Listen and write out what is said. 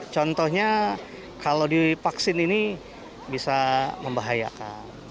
contohnya kalau divaksin ini bisa membahayakan